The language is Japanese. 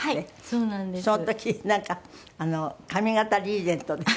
その時なんか髪形リーゼントで。